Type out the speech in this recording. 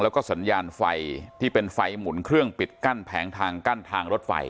แล้วก็สัญญาณไฟที่เป็นไฟหมุนเครื่องปิดกั้นแผงทางกั้นทางรถไฟ